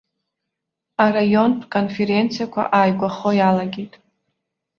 Араионтә конференциақәа ааигәахо иалагеит.